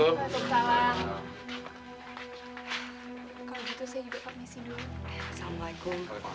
kalau gitu saya juga pak messi dulu